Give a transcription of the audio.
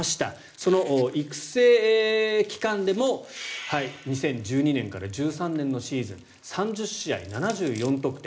その育成機関でも２０１２年から２０１３年のシーズン３０試合７４得点